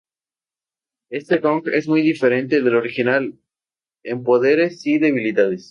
Este Kong es muy diferente del original, en poderes y debilidades.